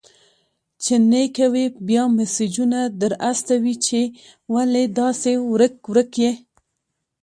چي نې کوې، بيا مسېجونه در استوي چي ولي داسي ورک-ورک يې؟!